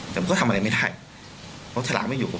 แต่ผมก็ทำอะไรไม่ได้เพราะถลักไม่อยู่กับผม